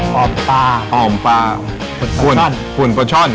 คลอมปลาหุ่นโปรชั่น